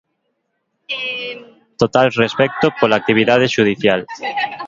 Total respecto pola actividade xudicial.